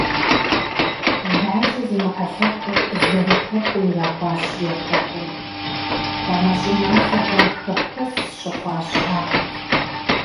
Лажьэ зимыӀэ лъэпкъыр зэрылъэпкъыу ирахуащ я хэкум, хамэ щӀыналъэхэм хэхэс щыхъуащ ахэр.